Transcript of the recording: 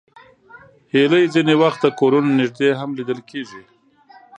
هیلۍ ځینې وخت د کورونو نږدې هم لیدل کېږي